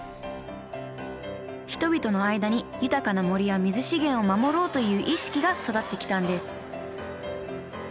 人々の間に豊かな森や水資源を守ろうという意識が育ってきたんです